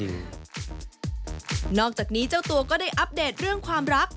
นอกจากนี้เจ้าตัวก็ได้อัปเดตเรื่องความรัก